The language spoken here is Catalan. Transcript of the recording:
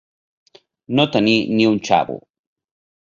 No tenir ni un xavo.